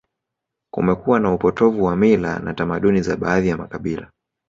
Kumekuwa na upotovu wa mila na tamaduni za baadhi ya makabila